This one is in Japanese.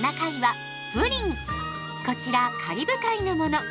こちらカリブ海のもの。